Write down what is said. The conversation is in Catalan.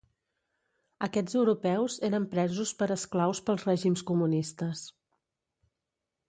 Aquests europeus eren presos per esclaus pels règims comunistes.